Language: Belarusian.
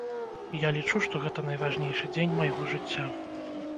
Я лічу, што гэта найважнейшы дзень майго жыцця.